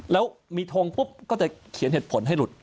แล้วมีทงปุ๊บก็จะเขียนเหตุผลให้หลุด